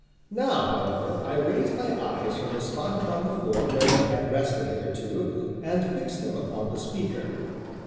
Now, however, I raised my eyes from the spot upon the floor where they had rested hitherto, and fixed them upon the speaker.